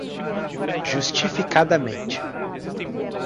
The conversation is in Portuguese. justificadamente